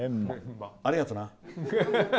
ありがとうな！